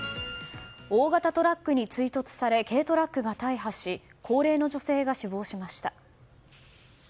大型トラックに追突され軽トラックが大破し高齢の女性が死亡しました。